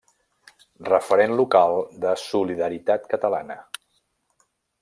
Referent local de Solidaritat Catalana.